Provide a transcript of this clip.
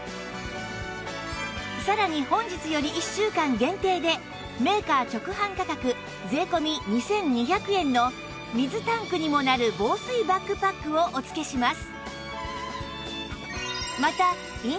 さらに本日より１週間限定でメーカー直販価格税込２２００円の水タンクにもなる防水バックパックをお付けします